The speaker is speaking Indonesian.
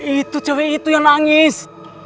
itu cewek itu yang nangis